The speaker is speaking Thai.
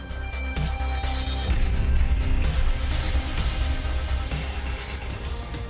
จากประโยชน์อดีต